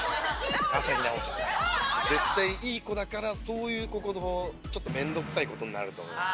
朝日奈央ちゃん。絶対いい子だから、そういう子ほど、ちょっと面倒くさいことになると思います。